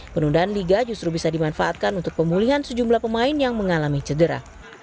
penundaan liga justru bisa dimanfaatkan untuk pemulihan sejumlah pemain yang mengalami cedera